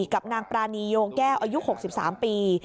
กับนางปรานีโยงแก้วอายุ๖๓ปี